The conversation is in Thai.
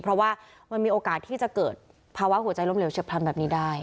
เพราะว่ามันมีโอกาสที่จะเกิดภาวะหัวใจล้มเหลวเฉียบพลันแบบนี้ได้